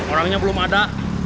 orangnya belum ada